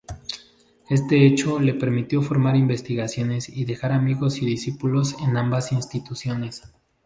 Este hecho le permitió formar investigadores y dejar amigos y discípulos en ambas instituciones.